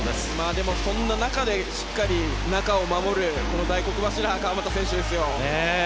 でも、そんな中でしっかり中を守る大黒柱の川真田選手ですよ。